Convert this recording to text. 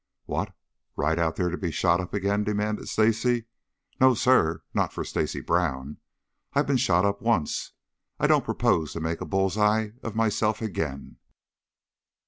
"What, ride out there to be shot up again?" demanded Stacy. "No, sir, not for Stacy Brown! I've been shot up once. I don't propose to make a bull's eye of myself again."